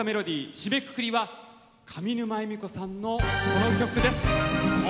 締めくくりは上沼恵美子さんのこの曲です。